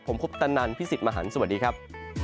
ผมคุปตะนันพี่สิทธิ์มหันฯสวัสดีครับ